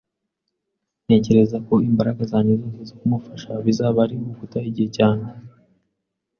Ntekereza ko imbaraga zanjye zose zo kumufasha bizaba ari uguta igihe cyanjye.